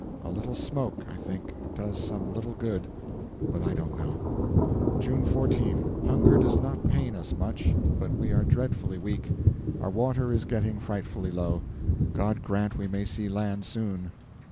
A little smoke, I think, does some little good; but I don't know. June 14. Hunger does not pain us much, but we are dreadfully weak. Our water is getting frightfully low. God grant we may see land soon!